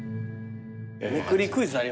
めくりクイズありますけど。